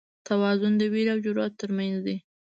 توازن د وېرې او جرئت تر منځ دی.